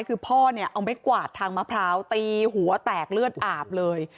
คือพ่อเนี่ยเอาไม้กวาดทางมะพร้าวตีหัวแตกเลือดอาบเลย